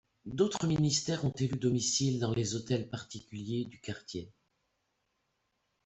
D'autres ministères ont élu domicile dans les hôtels particuliers du quartier.